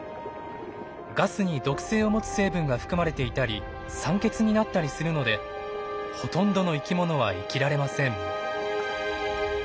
ガスに毒性を持つ成分が含まれていたり酸欠になったりするのでほとんどの生きものは生きられません。